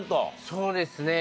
そうですね